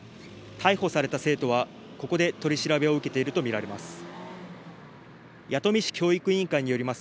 逮捕された生徒はここで取り調べを受けていると見られます。